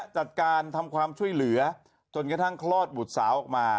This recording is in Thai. จัดการทำความช่วยเหลือจนกระทั่งคลอดบุตรสาวออกมา